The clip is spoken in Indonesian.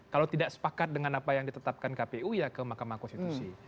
kalau tidak sepakat dengan apa yang ditetapkan kpu ya ke mahkamah konstitusi